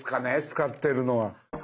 使ってるのは。